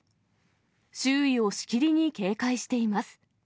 周囲をしきりに警戒しています。